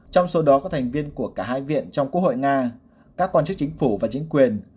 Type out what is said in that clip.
trong số đó có thành viên của cả hai viện trong quốc hội nga các quan chức chính phủ và chính quyền